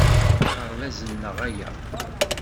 D aɣerbaz-nneɣ aya.